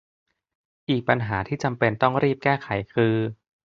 อีกปัญหาที่จำเป็นต้องรีบแก้ไขคือ